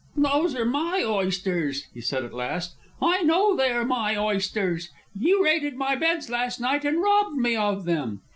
"Those are my oysters," he said at last. "I know they are my oysters. You raided my beds last night and robbed me of them."